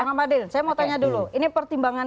bang mardin saya mau tanya dulu ini pertimbangan